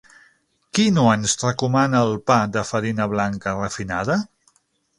Qui no ens recomana el pa de farina blanca refinada?